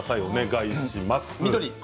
お願いします。